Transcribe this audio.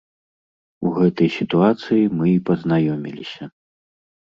У гэтай сітуацыі мы і пазнаёміліся.